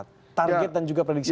target dan juga prediction